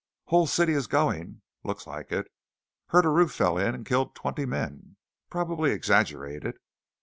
"Whole city is going!" "Looks like it." "Hear a roof fell in and killed twenty men." "Probably exaggerated."